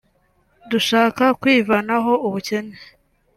dushaka kwivanaho ubukene